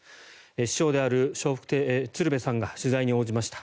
師匠である笑福亭鶴瓶さんが取材に応じました。